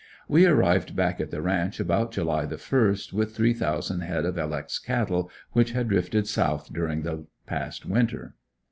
We arrived back at the ranch about July the first, with three thousand head of "L. X." cattle which had drifted south during the past winter.